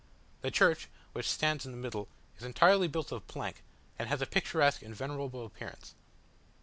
The church, which stands in the middle, is entirely built of plank, and has a picturesque and venerable appearance.